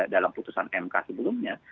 dalam putusan mk sebelumnya